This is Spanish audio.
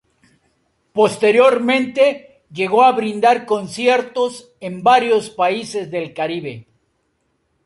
Posteriormente llegó a brindar conciertos en varios países del Caribe.